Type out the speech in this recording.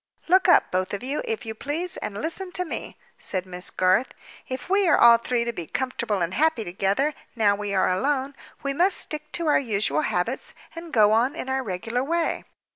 "Look up, both of you, if you please, and listen to me," said Miss Garth. "If we are all three to be comfortable and happy together, now we are alone, we must stick to our usual habits and go on in our regular way.